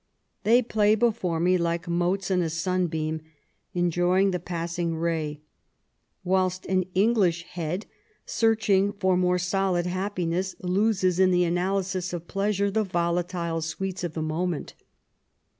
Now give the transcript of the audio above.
They play before me like motes in a sunbeam, enjoying the passing ray; whilst an English head, searching for more solid happiness, loses in the analysis of pleasure the yolatile sweets of the moment.